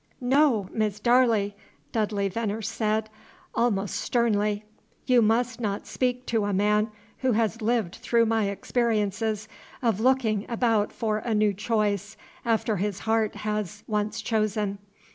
"No, Miss Darley!" Dudley Venner said, almost sternly. "You must not speak to a man, who has lived through my experiences, of looking about for a new choice after his heart has once chosen.